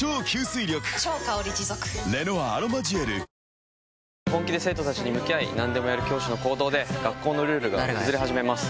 ニトリ本気で生徒たちに向き合い何でもやる教師の行動で学校のルールが崩れ始めます。